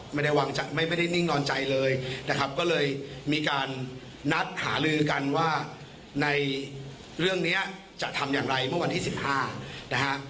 ไม่ได้นิ่งนอนใจเลยนะครับก็เลยมีการนัดหาลือกันว่าในเรื่องนี้จะทำอย่างไรเมื่อวันที่๑๕นะฮะ